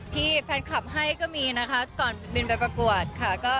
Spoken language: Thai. ที่แฟนคลับให้ก็มีนะคะก่อนบินไปประกวดค่ะ